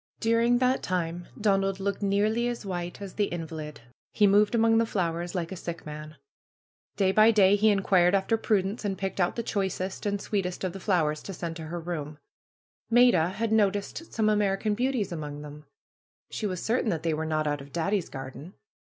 During that time Donald looked nearly as white as the invalid. He moved among the flowers like a sick man. Day by day he inquired after Prudence, and picked PRUE'S GARDENER 195 out the choicest and sweetest of the flowers to send to her room. Maida had noticed some American Beauties among them. She was certain that they were not out of Daddy's garden.